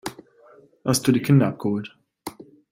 Hast du die Kinder abgeholt.